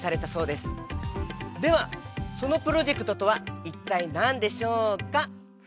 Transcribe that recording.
そのプロジェクトとは一体何でしょうか？